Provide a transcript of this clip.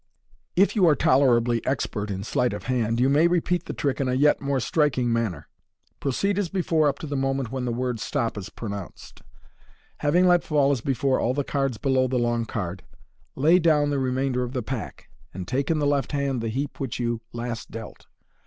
If you are tolerably expert in sleight of hand you may repeat the trick in a yet more striking maaner. Proceed as before up to the moment when the word " stop " is pronounced. Having let fall as before all the cards below the long card, lay down the remainder of the pack, and take in the left hand the heap which you last dealt.